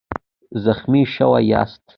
زخمي شوی یاست؟